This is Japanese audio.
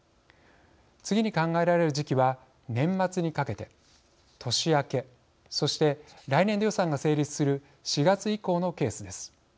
次に考えられる時期は年末にかけて年明けそして来年度予算が成立する４月以降のケースです。